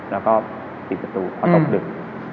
เราก็ติดประตูพอตกดึก